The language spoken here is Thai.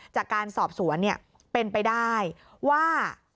จากการสอบสวนเป็นไปได้ว่า